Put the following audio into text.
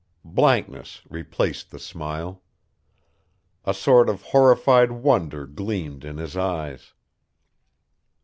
Blankness replaced the smile. A sort of horrified wonder gleamed in his eyes.